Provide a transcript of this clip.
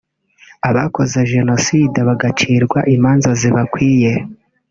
abakoze jenoside bagacirwa imanza zibakwiye